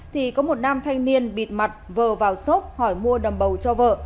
thì có một nam thanh niên bịt mặt vờ vào xốp hỏi mua đầm bầu cho vợ